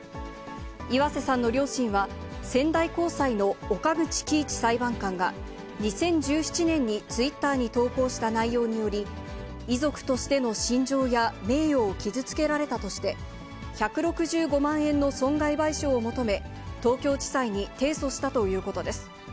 岩瀬さんの両親は、仙台高裁の岡口基一裁判官が、２０１７年にツイッターに投稿した内容により、遺族としての心情や、名誉を傷つけられたとして、１６５万円の損害賠償を求め、東京地裁に提訴したということです。